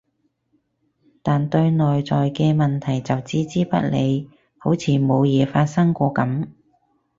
但對內在嘅問題就置之不理，好似冇嘢發生過噉